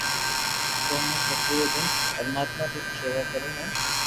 ڪو ھي ھون پورو دن پرماتم ري ݾيوا ڪرو ھ